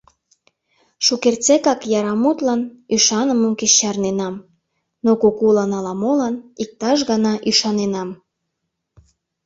Шукертсекак яра мутлан Ӱшанымым кеч чарненам, Но кукулан ала-молан Иктаж гана ӱшаненам.